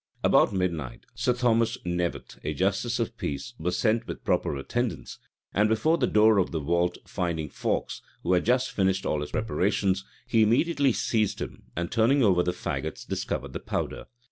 About midnight, Sir Thomas Knevet, a justice of peace, was sent with proper attendants; and before the door of the vault finding Fawkes, who had just finished all his preparations, he immediately seized him, and turning over the fagots, discovered the powder.